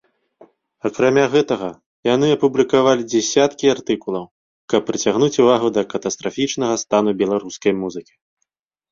Акрамя гэтага яны апублікавалі дзясяткі артыкулаў, каб прыцягнуць увагу да катастрафічнага стану беларускай музыкі.